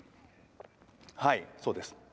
はい、そうです。